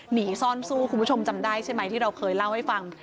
หนีซ่อนสู้คุณผู้ชมจำได้ใช่ไหมที่เราเคยเล่าให้ฟัง